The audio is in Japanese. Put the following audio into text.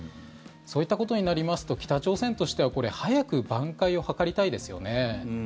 そういったことになりますと北朝鮮としてはこれ、早くばん回を図りたいですよね。